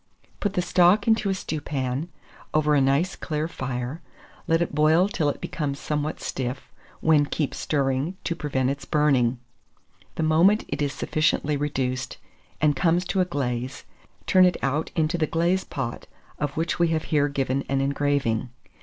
Put the stock into a stewpan, over a nice clear fire; let it boil till it becomes somewhat stiff, when keep stirring, to prevent its burning. The moment it is sufficiently reduced, and comes to a glaze, turn it out into the glaze pot, of which we have here given an engraving.